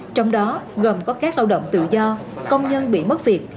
trong đó gồm có các lao động tự do công nhân bị mất việc